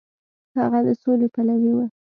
هغه د سولې پلوی و.